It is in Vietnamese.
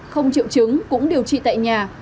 không triệu chứng cũng điều trị tại nhà